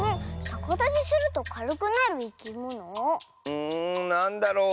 うんなんだろう？